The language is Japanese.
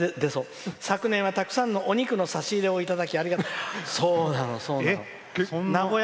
昨年はたくさんのお肉の差し入れをいただき」。